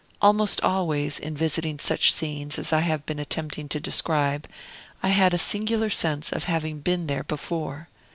Almost always, in visiting such scenes as I have been attempting to describe, I had a singular sense of having been there before.